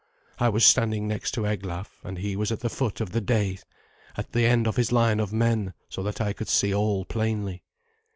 I was standing next to Eglaf, and he was at the foot of the dais, at the end of his line of men, so that I could see all plainly.